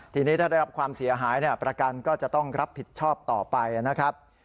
ทีนี้ถ้าได้รับความเสียหายประกันก็จะต้องรับผิดชอบต่อไปนะครับ